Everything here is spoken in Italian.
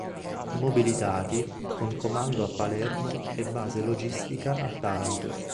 Mobilitati, con comando a Palermo e base logistica a Taranto.